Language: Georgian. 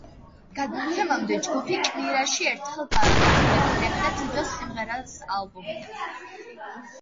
გამოცემამდე ჯგუფი კვირაში ერთხელ აქვეყნებდა თითო სიმღერას ალბომიდან.